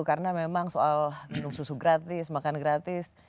karena memang soal minum susu gratis makan gratis